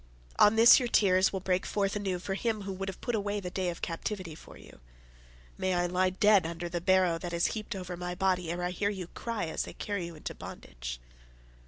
On this your tears will break forth anew for him who would have put away the day of captivity from you. May I lie dead under the barrow that is heaped over my body ere I hear your cry as they carry you into bondage."